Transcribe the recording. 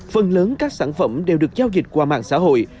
phần lớn các sản phẩm đều được giao dịch qua mạng xã hội